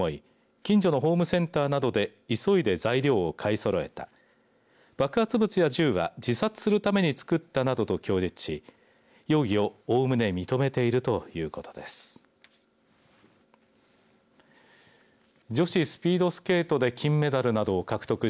近所のホームセンターなどで急いで材料を買いそろえた爆発物や銃は自殺するために作ったなどと供述し容疑をおおむね認めているということです。